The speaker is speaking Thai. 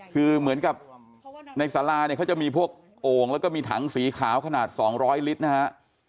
คือเหมือนกับในสาราเนี่ยเขาจะมีพวกโอ่งแล้วก็มีถังสีขาวขนาด๒๐๐ลิตรนะฮะ